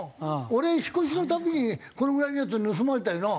俺引っ越しの度にこのぐらいのやつ盗まれたよな。